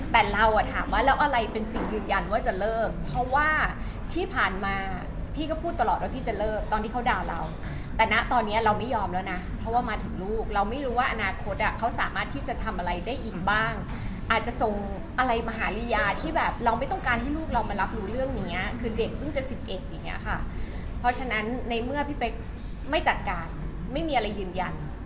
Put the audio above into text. แต่เราอ่ะถามว่าแล้วอะไรเป็นสิ่งยืนยันว่าจะเลิกเพราะว่าที่ผ่านมาพี่ก็พูดตลอดว่าพี่จะเลิกตอนที่เขาด่าเราแต่นะตอนเนี้ยเราไม่ยอมแล้วนะเพราะว่ามาถึงลูกเราไม่รู้ว่าอนาคตอ่ะเขาสามารถที่จะทำอะไรได้อีกบ้างอาจจะส่งอะไรมหาลิยาที่แบบเราไม่ต้องการให้ลูกเรามารับรู้เรื่องนี้คือเด็กเพิ่งเจ็บสิบเอ็ดอย่างเงี้ย